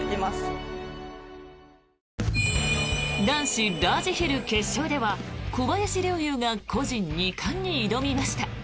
男子ラージヒル決勝では小林陵侑が個人２冠に挑みました。